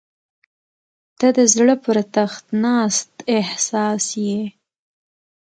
• ته د زړه پر تخت ناست احساس یې.